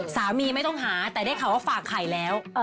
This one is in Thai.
สามีไม่ต้องหาแต่ได้ข่าวว่าฝากไข่แล้ว